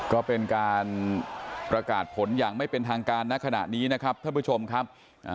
ก็เป็นการประกาศผลอย่างไม่เป็นทางการณขณะนี้นะครับท่านผู้ชมครับ